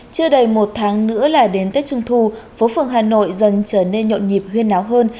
chưa đầy một tháng nữa là đến tết trung thu phố phường hà nội dần trở nên nhộn nhịp náo hơn